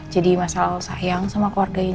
jadi masalah sayang sama keluarganya